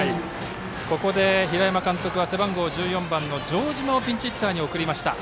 ここで平山監督は背番号１４番の城島をピンチヒッターに送りました。